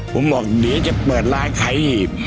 ผมบอกเดี๋ยวจะเปิดร้านขายหีบ